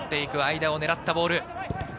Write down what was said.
間を狙ったボール。